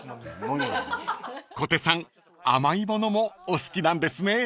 ［小手さん甘いものもお好きなんですね］